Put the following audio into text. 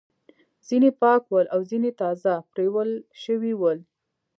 ځینې پاک ول او ځینې تازه پریولل شوي ول.